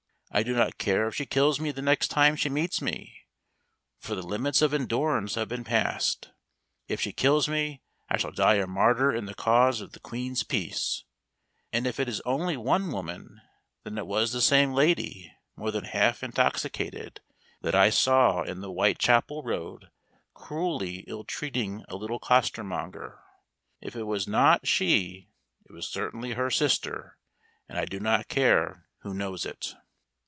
I do not care if she kills me the next time she meets me, for the limits of endurance have been passed. If she kills me I shall die a martyr in the cause of the Queen's peace. And if it is only one woman, then it was the same lady, more than half intoxicated, that I saw in the Whitechapel Road cruelly ill treating a little costermonger. If it was not she it was certainly her sister, and I do not care who knows it.